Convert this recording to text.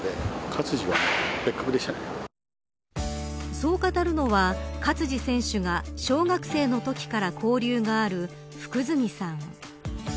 そう語るのは、勝児選手が小学生のときから交流がある福住さん。